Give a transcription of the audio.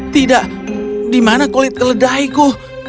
tidak di mana kulit keledaiku